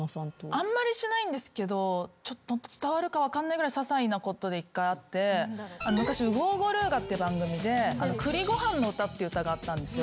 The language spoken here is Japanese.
あんまりしないんですけど伝わるか分かんないぐらいささいなことで１回あって昔『ウゴウゴルーガ』って番組で「栗ご飯の歌」っていう歌があったんですよ。